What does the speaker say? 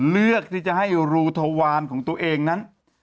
เลือกที่จะให้รูทวารของตัวเองนั้น